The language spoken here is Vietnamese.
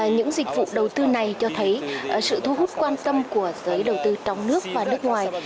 những dịch vụ đầu tư này cho thấy sự thu hút quan tâm của giới đầu tư trong nước và nước ngoài